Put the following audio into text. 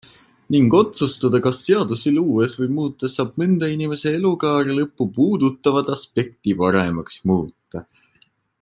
Ning otsustada, kas seadusi luues või muutes saab mõnda inimese elukaare lõppu puudutavat aspekti paremaks muuta.